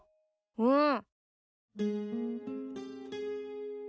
うん。